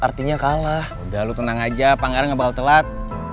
artinya kalah udah lu tenang aja panggilan bakal telat